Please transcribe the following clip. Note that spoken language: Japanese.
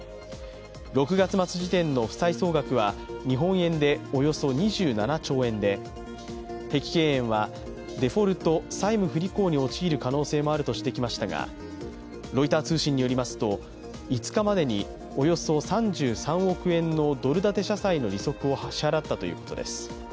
６月末時点の負債総額は日本円でおよそ２７兆円で碧桂園は、デフォルト＝債務不履行に陥る可能性もあるとしてきましたが、ロイター通信によりますと、５日までにおよそ３３億円のドル建て社債の利息を支払ったということです